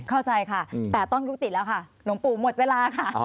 เข้าใจค่ะแต่ต้องยุติแล้วค่ะหลวงปู่หมดเวลาค่ะ